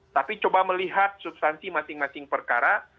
tapi coba melihat substansi masing masing perkara